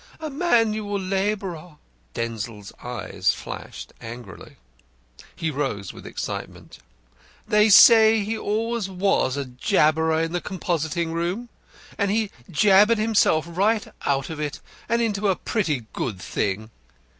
A manual labourer!" Denzil's eyes flashed angrily. He rose with excitement. "They say he always was a jabberer in the composing room, and he has jabbered himself right out of it and into a pretty good thing.